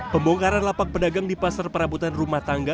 pembongkaran lapak pedagang di pasar perabotan rumah tangga